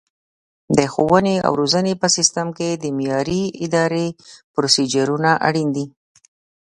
د ښوونې او روزنې په سیستم کې د معیاري ادرایې پروسیجرونه اړین دي.